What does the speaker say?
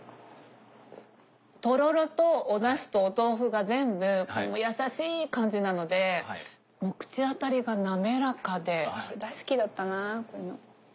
とろろとお出汁とお豆腐が全部優しい感じなので口当たりが滑らかで大好きだったなぁこういうの。